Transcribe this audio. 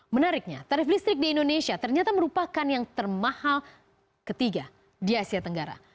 menariknya tarif listrik di indonesia ternyata merupakan yang termahal ketiga di asia tenggara